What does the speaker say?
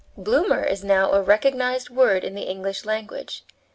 Bloomer is now a recognized word in the English language.